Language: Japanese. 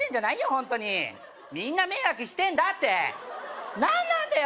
ホントにみんな迷惑してんだって何なんだよ